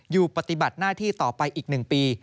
อยู่ปฏิบัติหน้าที่ต่อไปอีก๑ปี